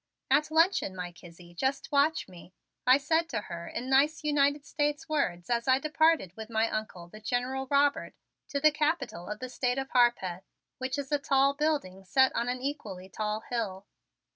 "At luncheon, my Kizzie, just watch me," I said to her in nice United States words as I departed with my Uncle, the General Robert, to the Capitol of the State of Harpeth, which is a tall building set on an equally tall hill.